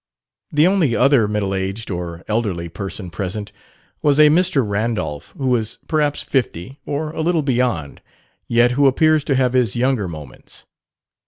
The only other middle aged (or elderly) person present was a Mr. Randolph, who is perhaps fifty, or a little beyond, yet who appears to have his younger moments.